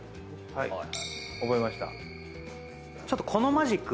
覚えました。